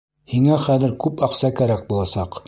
Һиңә хәҙер күп аҡса кәрәк буласаҡ.